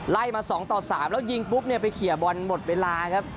ไล่มา๒ต่อ๓แล้วยิงปุ๊บเนี่ยไปเขียบอลหมดเวลาครับ